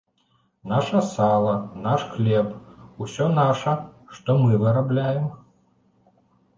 Наша сала, наш хлеб, усё наша, што мы вырабляем.